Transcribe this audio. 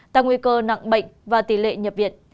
tăng nguy cơ nặng bệnh và tỷ lệ nhập viện